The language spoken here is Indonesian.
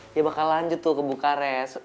dia bakal lanjut tuh ke bukares